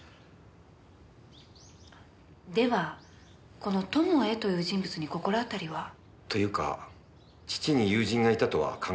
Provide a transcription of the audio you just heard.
この「友へ」という人物に心当たりは？というか父に友人がいたとは考えられません。